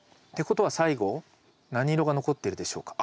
ことは最後何色が残ってるでしょうか？